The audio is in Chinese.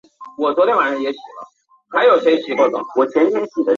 清朝品等为从一品。